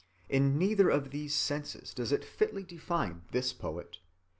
In neither of these senses does it fitly define this poet.